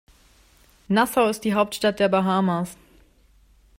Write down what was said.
Nassau ist die Hauptstadt der Bahamas.